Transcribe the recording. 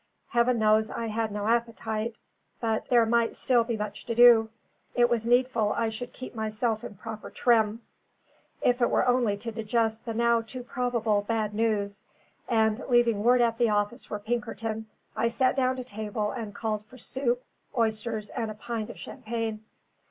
Heaven knows I had no appetite; but there might still be much to do it was needful I should keep myself in proper trim, if it were only to digest the now too probable bad news; and leaving word at the office for Pinkerton, I sat down to table and called for soup, oysters, and a pint of champagne.